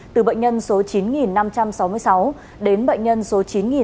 từ bệnh nhân số chín nghìn năm trăm sáu mươi sáu đến bệnh nhân số chín nghìn sáu trăm ba mươi năm